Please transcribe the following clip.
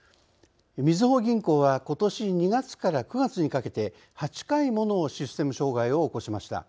みずほ銀行はことし、２月から９月にかけて８回ものシステム障害を起こしました。